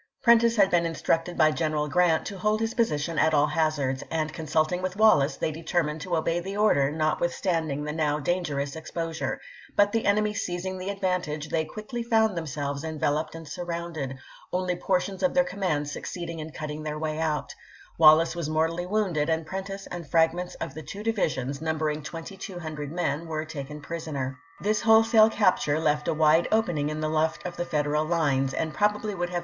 Prentiss had been instructed by Greneral Grrant to hold his position at all hazards, and con sulting with Wallace they determined to obey the order notwithstanding the now dangerous exposure; but the enemy seizing the advantage, they quickly found themselves enveloped and surrounded ; only portions of their command succeeded in cutting their way out ; Wallace was mortally wounded, and Prentiss and fragments of the two divisions, num bering 2200 men, were taken prisoner. This wholesale capture left a wide opening in the left of the Federal lines, and probably would have 328 ABRAHAM LINCOLN ch. xviri.